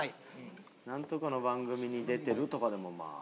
ナントカの番組に出てるとかでもまあ。